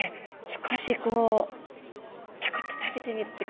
少しこうちょこっと食べてみるって。